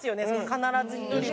必ず１人は。